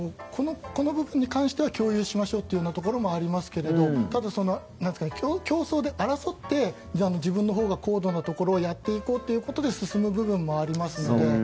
これに関しては共有しようみたいなのはありますがただ、競争で争って自分のほうが高度なところをやっていこうということで進む部分もありますので。